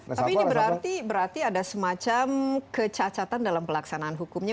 tapi ini berarti ada semacam kecacatan dalam pelaksanaan hukumnya